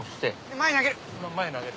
前に投げる。